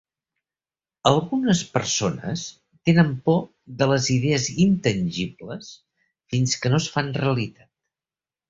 Algunes persones tenen por de les idees intangibles fins que no es fan realitat.